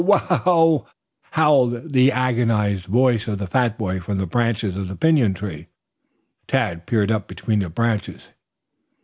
Ow wow wow!" howled the agonized voice of the fat boy from the branches of the pinyon tree. Tad peered up between the branches.